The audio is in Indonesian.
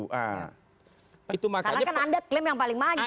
karena kan anda klaim yang paling maju